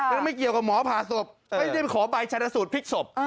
แล้วไม่เกี่ยวกับหมอผ่าศพไม่ได้ขอใบชนะสูตรพลิกศพ